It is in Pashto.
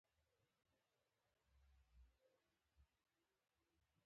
هغوی پر زده کړو پانګونه کوله.